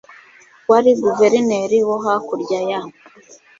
wari guverineri wo hakurya ya